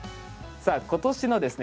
さあ今年のですね